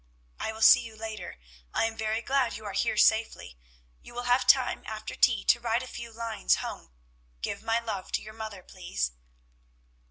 I will see you later. I am very glad you are here safely. You will have time after tea to write a few lines home. Give my love to your mother, please."